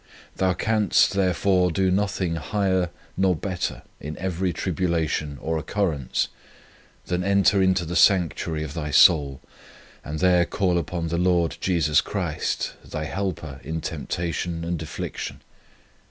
Thou canst, therefore, do 89 On Union with God nothing higher nor better in every tribulation or occurrence than enter into the sanctuary of thy soul, and there call upon the Lord Jesus Christ, thy helper in tempta tion and affliction.